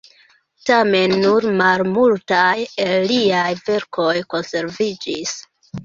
Tamen nur malmultaj el liaj verkoj konserviĝis.